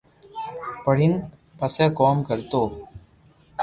پڙين پسو ڪوم ڪرتو